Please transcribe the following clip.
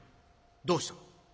「どうした？」。